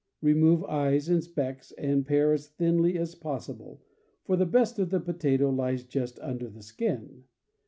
Remove eyes and specks, and pare as thinly as possi ble, for the best of the potato lies just under the skin.